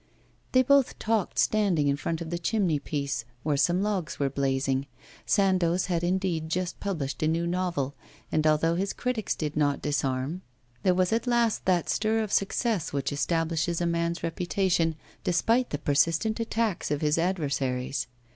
They both talked standing in front of the chimney piece, where some logs were blazing. Sandoz had indeed just published a new novel, and although his critics did not disarm, there was at last that stir of success which establishes a man's reputation despite the persistent attacks of his adversaries.